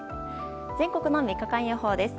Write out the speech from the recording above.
全国の３日間予報です。